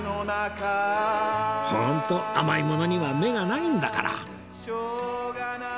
ホント甘いものには目がないんだから